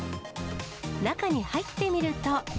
中に入ってみると。